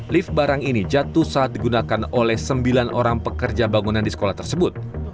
lift barang ini jatuh saat digunakan oleh sembilan orang pekerja bangunan di sekolah tersebut